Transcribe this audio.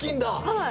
はい。